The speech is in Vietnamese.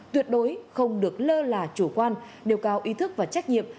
tuyệt đối không được lơ là chủ quan đều cao ý thức và trách nhiệm